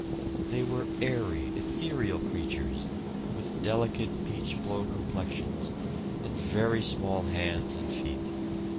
They were airy, ethereal creatures, with delicate peach blow complexions, and very small hands and feet.